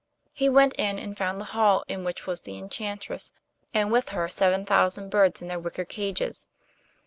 He went in and found the hall in which was the enchantress, and with her seven thousand birds in their wicker cages.